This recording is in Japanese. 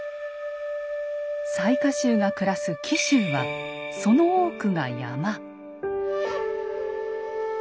雑賀衆が暮らす紀州はその多くが山。